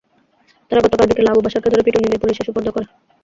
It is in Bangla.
তারা গতকাল বিকেলে আবুল বাশারকে ধরে পিটুনি দিয়ে পুলিশে সোপর্দ করে।